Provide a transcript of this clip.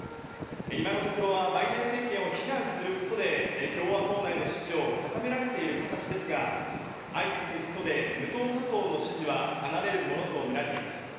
今のところはバイデン政権を非難することで、共和党内の支持を固められている形ですが、相次ぐ起訴で無党派層の支持は離れるものと見られています。